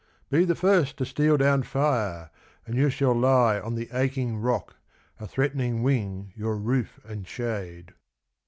Be the first to steal down fire, and you shall lie on the aching rock, a threatening wing your roof and shade.